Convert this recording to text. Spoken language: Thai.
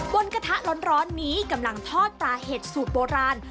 กระทะร้อนนี้กำลังทอดปลาเห็ดสูตรโบราณ